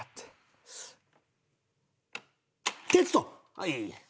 はい。